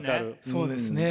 そうですね。